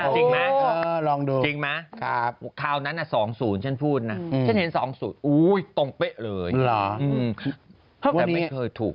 จริงไหมจริงไหมคราวนั้น๒๐ฉันพูดนะฉันเห็น๒๐ตรงเป๊ะเลยแต่ไม่เคยถูก